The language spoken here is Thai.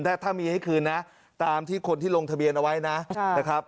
ถ้ามีให้คืนนะตามที่คนที่ลงทะเบียนเอาไว้นะครับ